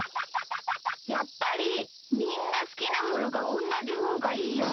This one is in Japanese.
やっぱりみんなすきなものがおんなじほうがいいよね。